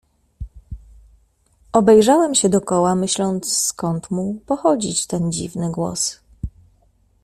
"Obejrzałem się dokoła, myśląc, skąd mógł pochodzić ten dziwny głos."